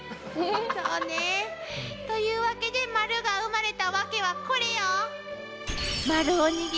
そうね。というわけで丸が生まれたワケはこれよ！